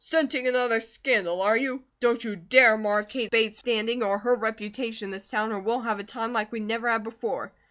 "Scenting another scandal, are you? Don't you dare mar Kate Bates' standing, or her reputation in this town, or we'll have a time like we never had before.